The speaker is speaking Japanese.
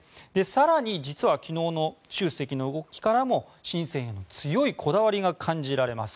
更に実は昨日の習主席の動きからもシンセンへの強いこだわりが感じられます。